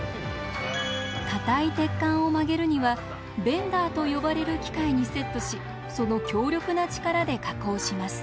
硬い鉄管を曲げるにはベンダーと呼ばれる機械にセットしその強力な力で加工します。